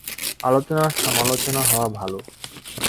আলোচনা সমালোচনা হওয়া ভালো।